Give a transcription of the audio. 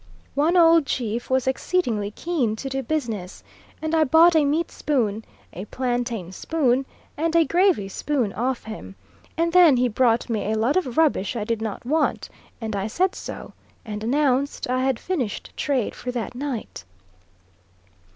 One old chief was exceedingly keen to do business, and I bought a meat spoon, a plantain spoon, and a gravy spoon off him; and then he brought me a lot of rubbish I did not want, and I said so, and announced I had finished trade for that night.